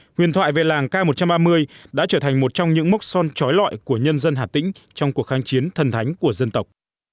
huyền thoại về làng k một trăm ba mươi đã trở thành một trong những mốc son trói lọi của nhân dân hà tĩnh trong cuộc kháng chiến thần thánh của dân tộc